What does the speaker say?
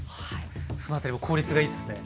そのあたりも効率がいいですね。